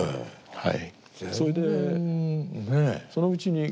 はい。